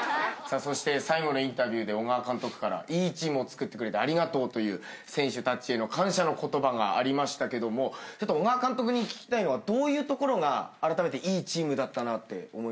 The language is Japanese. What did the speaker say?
そして最後のインタビューで小川監督からいいチームをつくってくれてありがとうという選手たちへの感謝の言葉がありましたけども小川監督に聞きたいのはどういうところがあらためていいチームだったなって思いましたか？